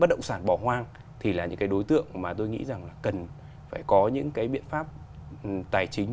bất động sản bỏ hoang thì là những cái đối tượng mà tôi nghĩ rằng là cần phải có những cái biện pháp tài chính